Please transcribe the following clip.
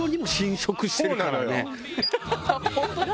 ホントだ。